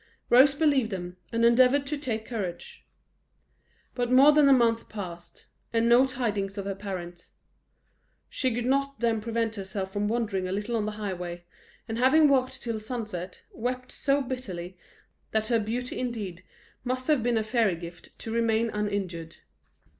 Rose believed them, and endeavoured to take courage. But more than a month passed, and no tidings of her parents. She could not then prevent herself from wandering a little on the highway; and having walked till sunset, wept so bitterly, that her beauty indeed must have been a fairy gift to remain uninjured.